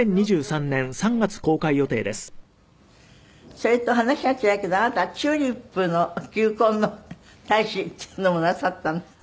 それと話は違うけどあなたはチューリップの球根の大使っていうのもなさったんですって？